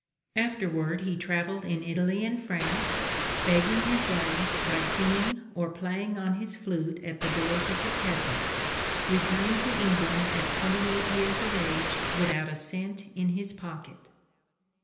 Afterward he travelled in Italy and France, begging his way by singing or playing on his flute at the doors of the peasants, returning to England at twenty eight years of age without a cent in his pocket.